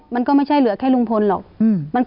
มันก็ไม่ใช่เหลือแค่ลุงพลหรอก